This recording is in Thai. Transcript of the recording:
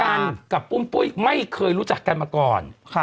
กันกับปุ้มปุ้ยไม่เคยรู้จักกันมาก่อน